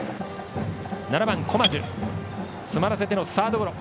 ７番、駒壽詰まらせてのサードゴロ。